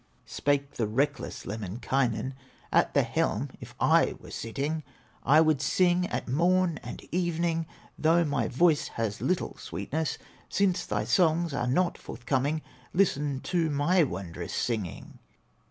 Spake the reckless Lemminkainen: "At the helm, if I were sitting, I would sing at morn and evening, Though my voice has little sweetness; Since thy songs are not forthcoming Listen to my wondrous singing!"